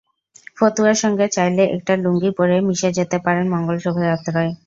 ফতুয়ার সঙ্গে চাইলে একটা লুঙ্গি পরে মিশে যেতে পারেন মঙ্গল শোভাযাত্রায়।